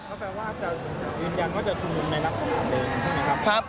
ก็แปลว่าจะยืนยันว่าจะชุมนุมในลักษณะเดิมใช่ไหมครับ